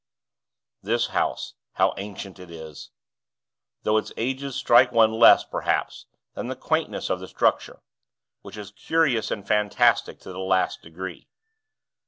This house, how ancient it is! though its age strikes one less, perhaps, than the quaintness of its structure, which is curious and fantastic to the last degree.